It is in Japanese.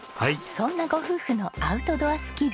そんなご夫婦のアウトドアスキル